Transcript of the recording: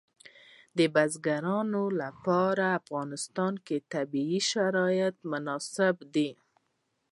د بزګانو لپاره په افغانستان کې طبیعي شرایط مناسب دي.